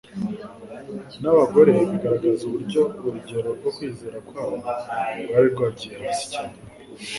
n'abagore bigaragaza uburyo urugero rwo kwizera kwabo rwari rwagiye hasi cyane.